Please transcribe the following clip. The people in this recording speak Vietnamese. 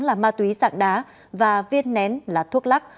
là ma túy dạng đá và viên nén là thuốc lắc